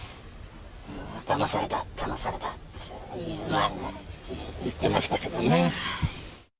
だまされた、だまされたって言ってましたけどね。